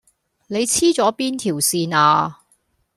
你黐咗邊條線呀